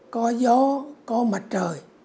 có gió có mặt trời